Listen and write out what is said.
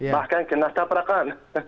bahkan kena taprakan